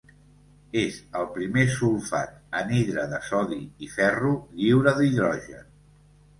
És el primer sulfat anhidre de sodi i ferro lliure d'hidrogen.